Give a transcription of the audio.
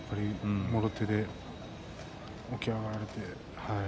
もろ手で起き上がられて。